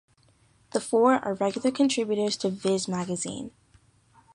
The four are regular contributors to "Viz" magazine.